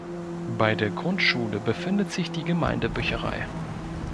Bei der Grundschule befindet sich die Gemeindebücherei.